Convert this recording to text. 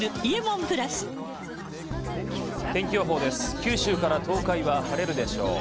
九州から東海は晴れるでしょう。